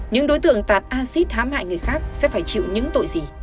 những đối tượng tạt acid hám hại người khác sẽ phải chịu những tội gì